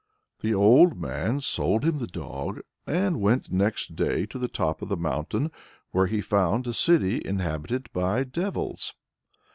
The old man sold him the dog, and went next day to the top of the mountain, where he found a great city inhabited by devils.